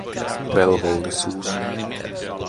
Velvollisuus.